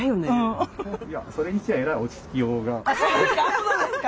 そうですか？